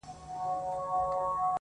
دا ربات یې دی هېر کړی له پېړیو٫